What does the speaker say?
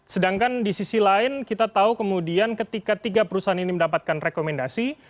sedangkan di sisi lain kita tahu kemudian ketika tiga perusahaan ini mendapatkan rekomendasi